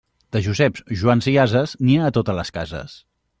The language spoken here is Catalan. De Joseps, Joans i ases, n'hi ha a totes les cases.